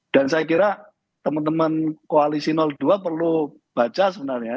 dan saya kira teman teman koalisi dua perlu baca sebenarnya